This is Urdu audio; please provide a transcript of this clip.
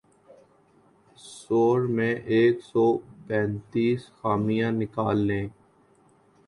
سؤر میں ایک سو پینتیس خامیاں نکال لیں